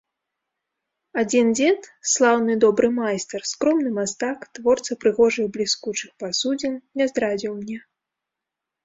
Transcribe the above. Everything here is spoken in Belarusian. Адзін дзед, слаўны добры майстар, скромны мастак, творца прыгожых бліскучых пасудзін, не здрадзіў мне.